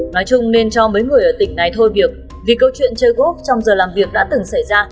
nói chung nên cho mấy người ở tỉnh này thôi việc vì câu chuyện chơi gốc trong giờ làm việc đã từng xảy ra